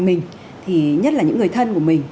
mình nhất là những người thân của mình